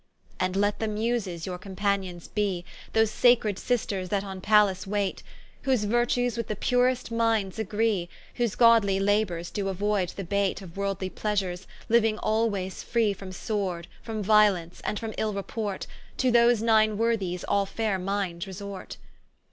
And let the Muses your companions be, Those sacred sisters that on Pallas wait; Whose Virtues with the purest minds agree, Whose godly labours doe auoyd the baite Of worldly pleasures, liuing alwaies free From sword, from violence, and from ill report, To those nine Worthies all faire mindes resort.